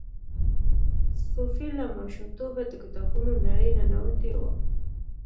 صوفي له ماشومتوبه د کتابونو نړۍ ننوتې وه.